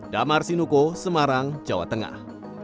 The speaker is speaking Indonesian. damar sinuko semarang jawa tengah